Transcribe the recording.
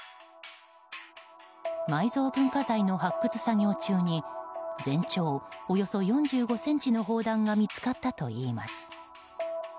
埋蔵文化財の発掘作業中に全長およそ４５ｃｍの砲弾が見つかったといいます。